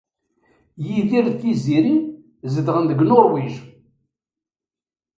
Yidir d Tiziri zedɣen deg Nuṛwij.